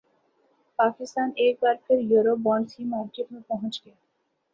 پاکستان ایک بار پھر یورو بانڈز کی مارکیٹ میں پہنچ گیا